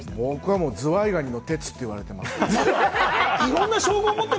僕はズワイガニの哲と言われてますから。